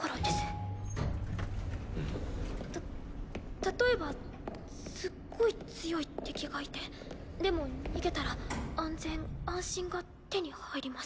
例えばすっごい強い敵がいてでも逃げたら安全安心が手に入ります。